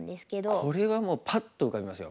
ああこれはもうパッと浮かびますよ